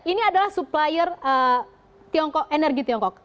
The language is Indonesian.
ini adalah supplier energi tiongkok